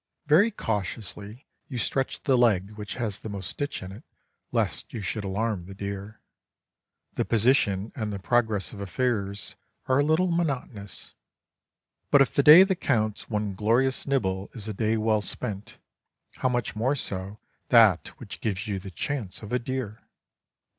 Very cautiously you stretch the leg which has the most stitch in it lest you should alarm the deer. The position and the progress of affairs are a little monotonous; but if the day that counts one glorious nibble is a day well spent, how much more so that which gives you the chance of a deer!